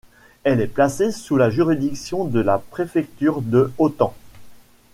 Elle est placée sous la juridiction de la préfecture de Hotan.